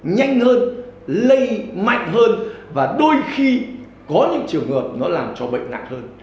nhanh hơn lây mạnh hơn và đôi khi có những trường hợp nó làm cho bệnh nặng hơn